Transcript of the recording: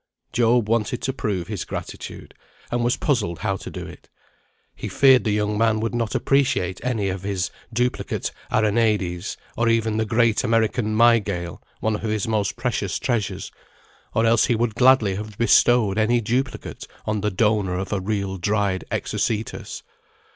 Job wanted to prove his gratitude, and was puzzled how to do it. He feared the young man would not appreciate any of his duplicate Araneides; not even the great American Mygale, one of his most precious treasures; or else he would gladly have bestowed any duplicate on the donor of a real dried Exocetus.